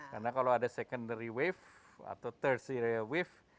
karena kalau ada secondary wave atau tertiary wave